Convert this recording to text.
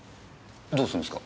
どうするんすか？